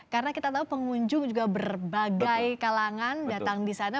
karena kita tahu pengunjung juga berbagai kalangan datang di sana